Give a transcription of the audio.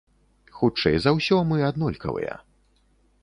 Хутчэй за ўсё, мы аднолькавыя.